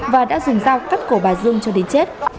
và đã dùng dao cắt cổ bà dương cho đến chết